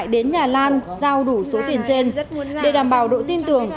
đến nhà lan giao đủ số tiền trên để đảm bảo độ tin tưởng